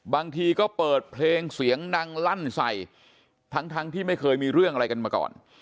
บางทีก็เปิดเพลงเสียงดังลั่นใส่ทั้งที่ไม่เคยมีเรื่องอะไรกันมาก่อน